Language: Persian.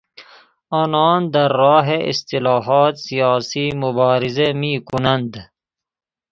آنان در راه اصلاحات سیاسی مبارزه میکنند.